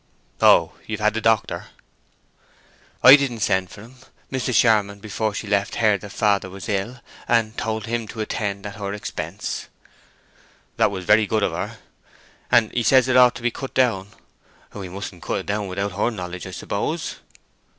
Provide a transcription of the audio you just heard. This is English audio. "Oh—you've had the doctor?" "I didn't send for him. Mrs. Charmond, before she left, heard that father was ill, and told him to attend him at her expense." "That was very good of her. And he says it ought to be cut down. We mustn't cut it down without her knowledge, I suppose."